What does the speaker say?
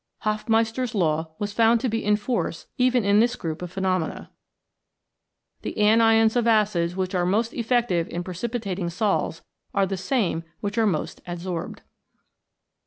Hofmeister's Law was found to be in force even in this group of phenomena. The anions of acids which are Ynost effective in precipitating sols are the same which are most adsorbed.